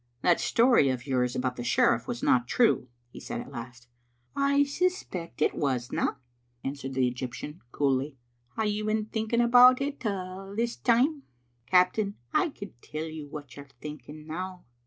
"That story of yours about the sheriflE was not true," he said at last. "I suspect it wasna," answered the Egyptian coolly. " Hae you been thinking about it a* this time? Captain, I could tell you what you're thinking now.